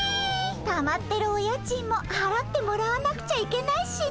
たまってるお家賃もはらってもらわなくちゃいけないしね。